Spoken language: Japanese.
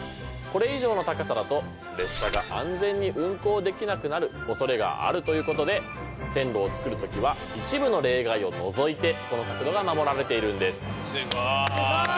これ以上の高さだと列車が安全に運行できなくなるおそれがあるということで線路を造る時は一部の例外を除いてこの角度が守られているんです。